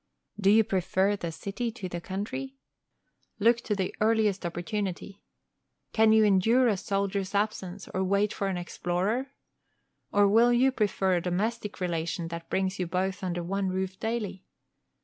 Do you prefer the city to the country? Look to the earliest opportunity. Can you endure a soldier's absence, or wait for an explorer? or will you prefer a domestic relation that brings you both under one roof daily?